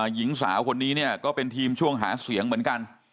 หญิงสาวคนนี้เนี่ยก็เป็นทีมช่วงหาเสียงเหมือนกัน